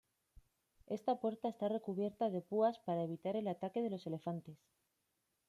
Esta puerta está recubierta de púas para evitar el ataque de los elefantes.